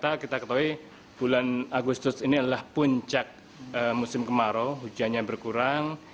kami diingatkan bahwa bulan agustus adalah puncak musim kemarau hujannya berkurang